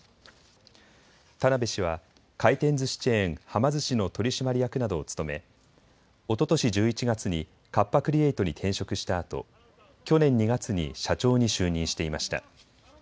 田邊氏は回転ずしチェーン、はま寿司の取締役などを務めおととし１１月にカッパ・クリエイトに転職したあと去年２月に社長に就任していました。